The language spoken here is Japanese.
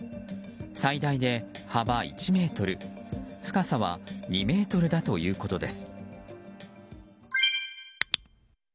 最大で幅１ｍ深さは２ｍだということです。